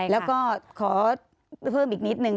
แล้วก็ขอเพิ่มอีกนิดนึง